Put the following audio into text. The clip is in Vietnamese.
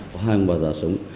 có hai ông bà già sống